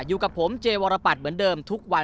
อยู่กับผมเจวรปัตรเหมือนเดิมทุกวัน